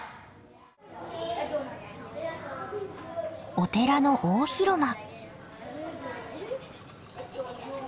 お寺の大広間。